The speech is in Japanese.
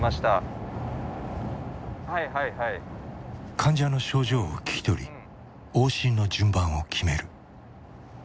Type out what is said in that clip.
患者の症状を聞き取り往診の順番を決める。